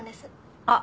あっ。